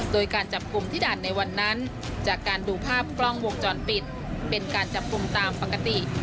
โดยการจับกลุ่มที่ด่านในวันนั้นจากการดูภาพกล้องวงจรปิดเป็นการจับกลุ่มตามปกติ